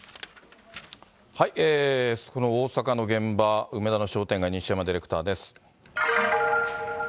この大阪の現場、梅田の商店街、西山ディレクターです。